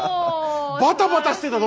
バタバタしてたの？